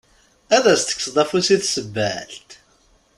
Ad as-tekkseḍ afus i tsebbalt?